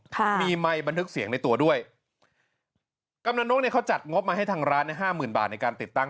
ค่ะมีไมค์บันทึกเสียงในตัวด้วยกำนันนกเนี้ยเขาจัดงบมาให้ทางร้านเนี้ยห้าหมื่นบาทในการติดตั้ง